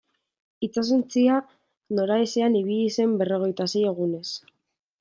Itsasontzia noraezean ibili zen berrogeita sei egunez.